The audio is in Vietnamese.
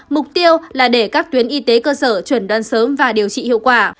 mục tiêu là để các tuyến y tế cơ sở chuẩn đoán sớm và điều trị hiệu quả